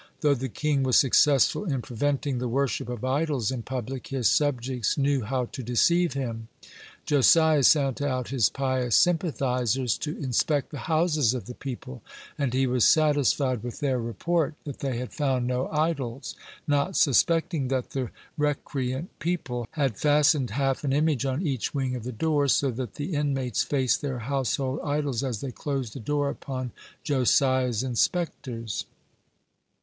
Though the king was successful in preventing the worship of idols in public, his subjects knew how to deceive him. Josiah sent out his pious sympathizers to inspect the houses of the people, and he was satisfied with their report, that they had found no idols, not suspecting that the recreant people has fastened half an image on each wing of the doors, so that the inmates faced their household idols as they closed the door upon Josiah's inspectors.